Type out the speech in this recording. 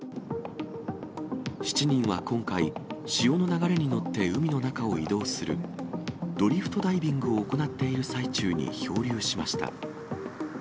７人は今回、潮の流れに乗って海の中を移動するドリフトダイビングを行っている最中に漂流しました。